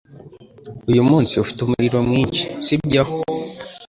Uyu munsi ufite umuriro mwinshi, sibyo?